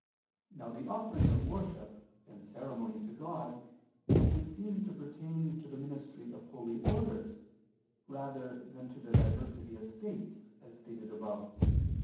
Now the offering of worship and ceremony to God would seem to pertain to the ministry of holy orders rather than to the diversity of states, as stated above (Q.